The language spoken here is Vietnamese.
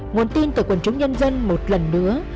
nguồn tin từ quần chúng nhân dân một lần nữa